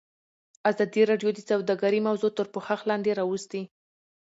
ازادي راډیو د سوداګري موضوع تر پوښښ لاندې راوستې.